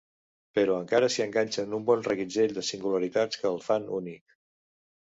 Però encara s’hi afegeixen un bon reguitzell de singularitats que el fan únic.